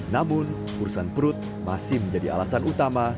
namun urusan perut masih menjadi alasan utama